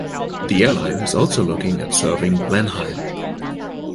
The airline is also looking at serving Blenheim.